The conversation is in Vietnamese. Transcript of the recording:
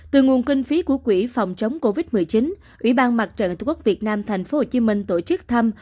từ nguồn kinh phí của quỹ phòng chống covid một mươi chín ủy ban mặt trận tổ quốc việt nam thành phố hồ chí minh tổ chức thăm